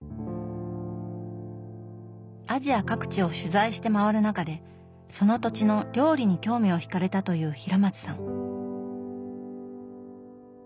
アジア各地を取材して回る中でその土地の料理に興味をひかれたという平松さん。